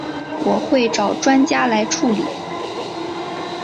我会找专家来处理